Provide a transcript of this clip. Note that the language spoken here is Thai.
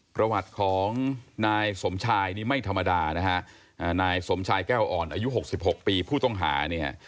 ประวัติของนายสมชายนี่ไม่ธรรมดานะฮะนายสมชายแก้วอ่อนอายุ๖๖ปีผู้ต้องหาเนี่ย